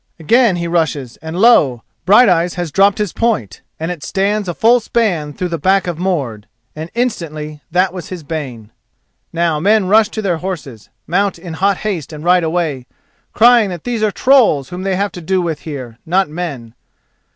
Again he rushes and lo! Brighteyes has dropped his point, and it stands a full span through the back of Mord, and instantly that was his bane. Now men rush to their horses, mount in hot haste and ride away, crying that these are trolls whom they have to do with here, not men.